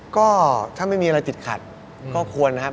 ก็ถ้าไม่มีอะไรติดขัดก็ควรนะครับ